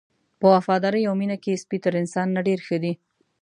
په وفادارۍ او مینه کې سپی تر انسان نه ډېر ښه دی.